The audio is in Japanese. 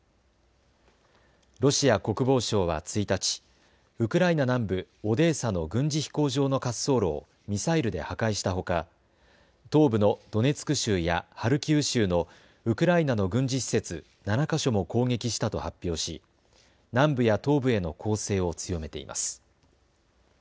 ロシア国防省は１日、ウクライナ南部オデーサの軍事飛行場の滑走路をミサイルで破壊したほか、東部のドネツク州やハルキウ州のウクライナの軍事施設７か所も攻撃したと発表し南部や東部への攻勢を強めています。